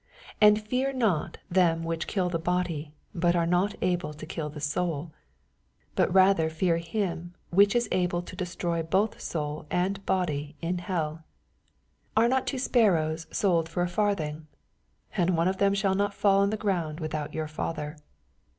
28 And fear not them which kill the body, but are not able to kill the soul : but rather fear him which is able to destroy both soul and body in heU. 29 Are not two sparrows sold for a i^irthing f and one of them shall not fall on the ground without your Father.